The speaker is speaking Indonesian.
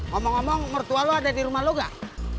ngomong ngomong mertua lo ada di rumah lo gak